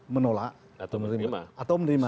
menolak atau menerima